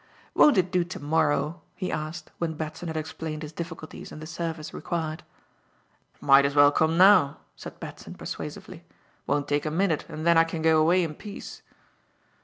"Won't it do to morrow?" he asked, when Batson had explained his difficulties and the service required. "Might as well come now," said Batson persuasively; "won't take a minute and then I can go away in peace."